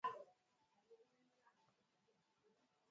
নিচের বাম অংশে রয়েছে বহুবর্ণের বৃত্ত।